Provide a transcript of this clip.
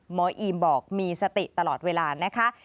อีมบอกมีสติตลอดเวลานะคะ